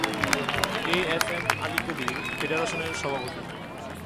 As M Ali Kabir ফেডারেশনের সভাপতি।